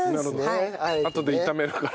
あとで炒めるから。